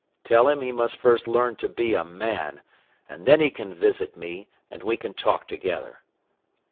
Tell him he must first learn to be a man and then he can visit me and we can talk together."